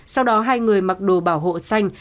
sau đó hai người mặc đồ bảo hộ xanh